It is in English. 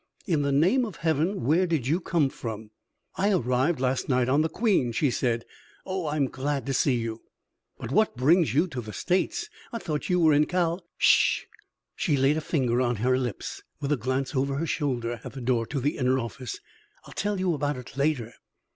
"In the name of Heaven, where did you come from?" "I arrived last night on the Queen," she said. "Oh, I'm glad to see you!" "But what brings you to the States? I thought you were in Kal " "Sh h!" She laid a finger on her lips, with a glance over her shoulder at the door to the inner office. "I'll tell you about it later."